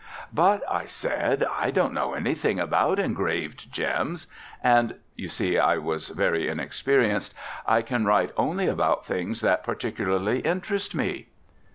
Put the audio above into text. "But," I said, "I don't know anything about engraved gems, and" (you see I was very inexperienced) "I can write only about things that particularly interest me."